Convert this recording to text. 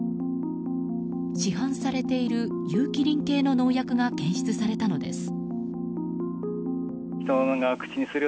市販されている、有機リン系の農薬が検出されたのです。